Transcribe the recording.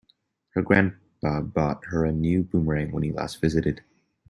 Her grandpa bought her a new boomerang when he last visited.